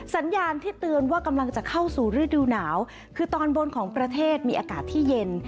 สัญญาณที่เตือนว่ากำลังจะเข้าสู่ฤดูหนาวคือตอนบนของประเทศมีอากาศที่เย็น